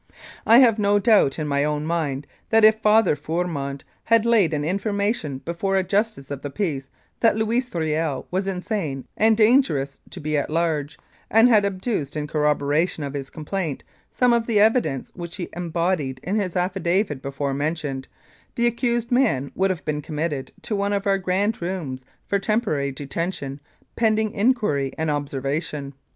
I have no doubt in my own mind that if Father Fourmond had laid an information before a Justice of the Peace that Louis Riel was insane and dangerous to be at large, and had adduced in corrobora tion of his complaint some of the evidence which he embodied in his affidavit before mentioned, the accused man would have been committed to one of our guard rooms for temporary detention pending inquiry and observation.